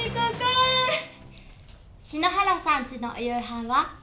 篠原さんちのお夕飯は？